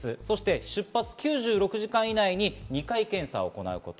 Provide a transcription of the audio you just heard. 出発９６時間以内に２回検査を行うこと。